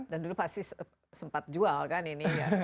dan dulu pasti sempat jual kan ini ya